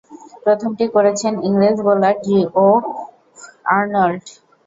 প্রথমটি করেছেন ইংরেজ বোলার জিওফ আর্নল্ড।